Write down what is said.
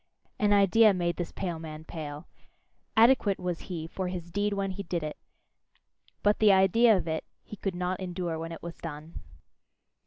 An idea made this pale man pale. Adequate was he for his deed when he did it, but the idea of it, he could not endure when it was done.